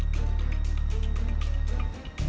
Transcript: ช่วยทำอะไร